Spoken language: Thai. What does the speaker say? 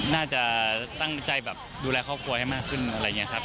น่าจะตั้งใจแบบดูแลครอบครัวให้มากขึ้นอะไรอย่างนี้ครับ